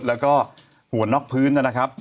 แล้วก็หัวน็อกพื้นนะครับ